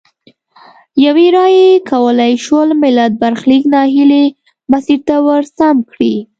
یوې رایې کولای شول ملت برخلیک نا هیلي مسیر ته ورسم کړي.